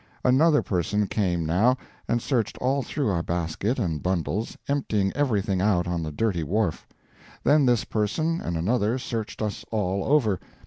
Another person came now, and searched all through our basket and bundles, emptying everything out on the dirty wharf. Then this person and another searched us all over.